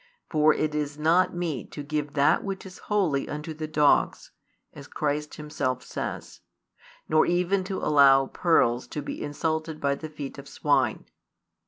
For it is not meet to give that which is holy unto the dogs, as Christ Himself says, nor even to allow pearls to be insulted by the feet of swine.